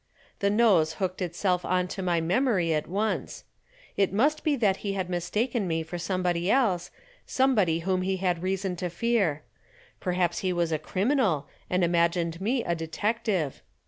The nose hooked itself on to my memory at once. It must be that he had mistaken me for somebody else, somebody whom he had reason to fear. Perhaps he was a criminal and imagined me a detective.